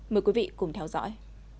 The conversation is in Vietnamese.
mời quý vị cùng theo dõi